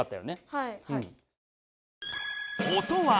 はい。